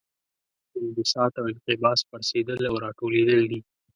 انبساط او انقباض پړسیدل او راټولیدل دي.